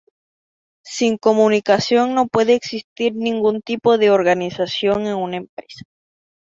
Sin comunicación, no puede existir ningún tipo de organización en una empresa.